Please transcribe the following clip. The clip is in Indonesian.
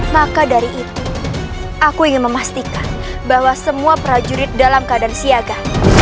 maka dari itu aku ingin memastikan bahwa semua prajurit dalam keadaan siaga